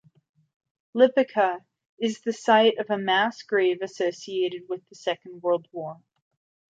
Lipica is the site of a mass grave associated with the Second World War.